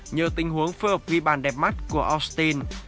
nhờ tình huống phù hợp ghi bàn đẹp mắt của austin